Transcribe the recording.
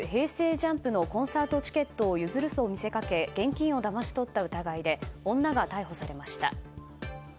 ＪＵＭＰのコンサートチケットを譲ると見せかけ現金をだまし取った疑いで女が逮捕されました。